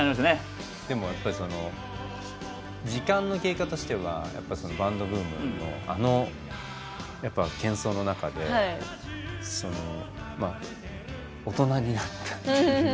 でもやっぱりその時間の経過としてはやっぱそのバンドブームのあのやっぱけん騒の中で大人になったっていう。